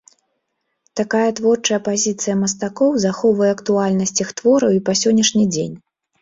Такая творчая пазіцыя мастакоў захоўвае актуальнасць іх твораў і па сённяшні дзень.